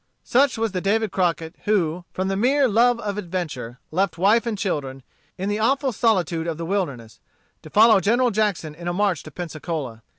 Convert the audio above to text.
Such was the David Crockett who, from the mere love of adventure, left wife and children, in the awful solitude of the wilderness, to follow General Jackson in a march to Pensacola.